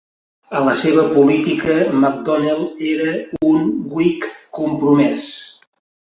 A la seva política, McDonnell era un Whig compromès.